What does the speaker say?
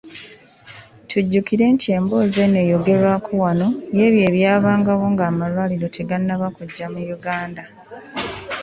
Tujjukire nti emboozi eno eyogerwako wano y’ebyo ebyalingawo ng’amalwaliro tegannaba kujja mu Uganda.